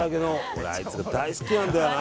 俺、あいつ大好きなんだよな。